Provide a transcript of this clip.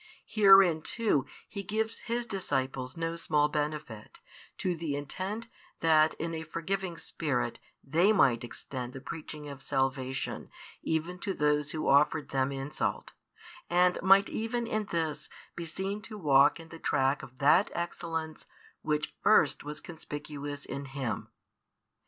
Herein too He gives His disciples no small |430 benefit, to the intent that in a forgiving spirit they might extend the preaching of salvation even to those who offered them insult, and might even in this be seen to walk in the track of that excellence which first was conspicuous in Him.